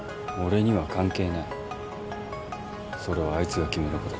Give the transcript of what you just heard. それはあいつが決めることだ。